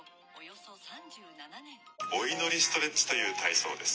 お祈りストレッチという体操です。